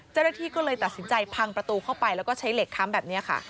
เจ้าหน้าที่ก็เลยตัดสินใจพังประตูเข้าไปแล้วก็ใช้เหล็กค้ำแบบนี้ค่ะ